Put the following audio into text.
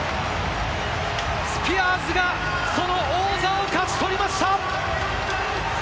スピアーズがその王座を勝ち取りました！